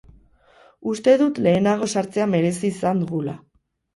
Uste dut lehenago sartzea merezi izan dugula.